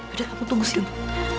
udah aku tunggu sini